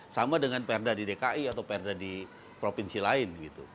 sama dengan perda di dki atau perda di provinsi lain gitu